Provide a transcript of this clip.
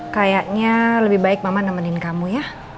kayaknya lebih baik mama nemenin kamu ya